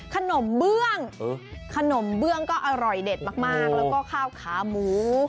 ขนมเบื้องขนมเบื้องก็อร่อยเด็ดมากแล้วก็ข้าวขาหมู